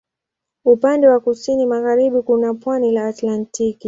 Upande wa kusini magharibi kuna pwani la Atlantiki.